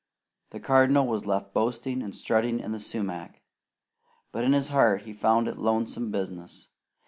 The Cardinal was left boasting and strutting in the sumac, but in his heart he found it lonesome business.